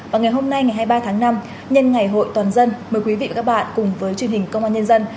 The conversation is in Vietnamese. và ngày hôm nay ngày hai mươi ba tháng năm nhân ngày hội toàn dân mời quý vị và các bạn cùng với truyền hình công an nhân dân